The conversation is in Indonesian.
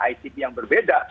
icb yang berbeda